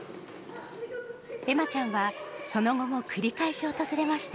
恵麻ちゃんはその後も繰り返し訪れました。